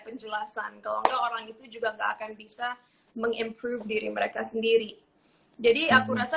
penjelasan kalau enggak orang itu juga enggak akan bisa mengimprove diri mereka sendiri jadi aku rasa